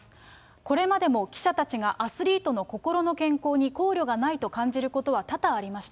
これまでも記者たちがアスリートの心の健康に考慮がないと感じることは多々ありました。